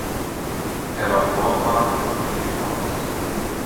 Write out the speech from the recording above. Er war Vorfahr der Familie Paus.